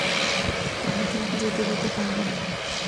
আমি তোমাকে যেতে দিতে পারবো না।